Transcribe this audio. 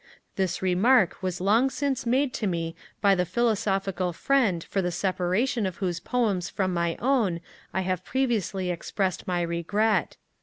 This remark was long since made to me by the philosophical Friend for the separation of whose poems from my own I have previously expressed my regret.